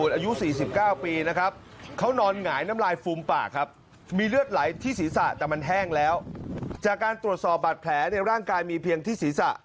ตำรวจสอบบัตรแผลในร่างกายมีเพียงที่ศีรษะ